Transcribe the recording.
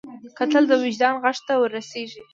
کتل د وجدان غږ ته ور رسېږي